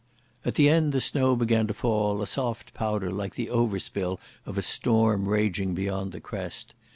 At the end the snow began to fall, a soft powder like the overspill of a storm raging beyond the crest.